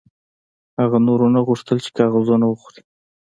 هغه نور نه غوښتل چې کاغذونه وخوري